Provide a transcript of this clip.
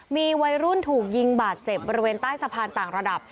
มีวัยรุ่นถูกยิงบาดเจ็บบริเวณใต้สะพานต่างระดับ